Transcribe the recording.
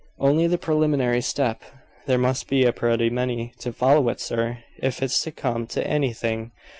"Only the preliminary step! There must be a pretty many to follow it, sir, if it's to come to anything.